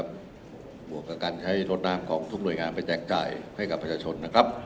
บวกกับการใช้รถน้ำของทุกหน่วยงานไปแจกจ่ายให้กับประชาชนนะครับ